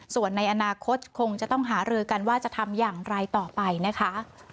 ส่วนในอนาคตคงจะต้องหารือกันว่าจะทำอย่างไรต่อไปนะคะ